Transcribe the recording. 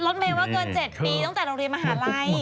ล้อนเบยว่าเกิด๗ปีตั้งแต่เราเรียนมหาลัย